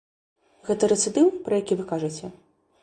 Гэта рэцыдыў, пра які вы кажаце?